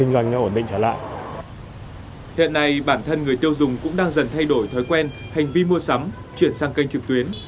hiện nay bản thân người tiêu dùng cũng đang dần thay đổi thói quen hành vi mua sắm chuyển sang kênh trực tuyến